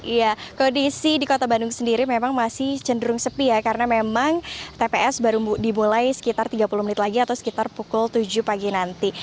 iya kondisi di kota bandung sendiri memang masih cenderung sepi ya karena memang tps baru dimulai sekitar tiga puluh menit lagi atau sekitar pukul tujuh pagi nanti